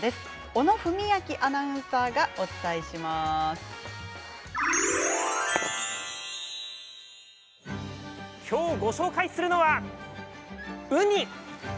小野文明アナウンサーがきょう、ご紹介するのはウニ。